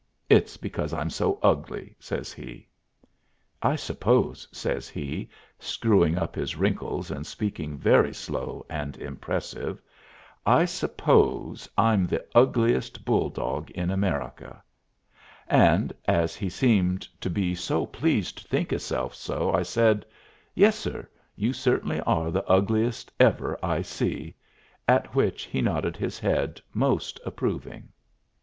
It's because I'm so ugly," says he. "I suppose," says he, screwing up his wrinkles and speaking very slow and impressive, "I suppose I'm the ugliest bull dog in America"; and as he seemed to be so pleased to think hisself so, I said, "Yes, sir; you certainly are the ugliest ever I see," at which he nodded his head most approving.